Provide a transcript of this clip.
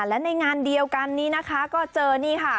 และในงานเดียวกันนี้นะคะก็เจอนี่ค่ะ